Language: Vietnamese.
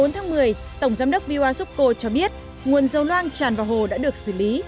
một mươi bốn tháng một mươi tổng giám đốc vioasucco cho biết nguồn dầu loang tràn vào hồ đã được xử lý